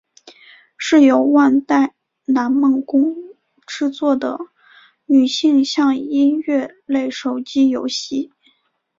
是由万代南梦宫制作的女性向音乐类手机游戏。